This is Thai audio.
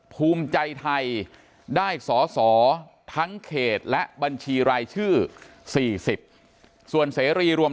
ภูมิใจไทยได้สอสอทั้งเขตและบัญชีรายชื่อ๔๐ส่วนเสรีรวม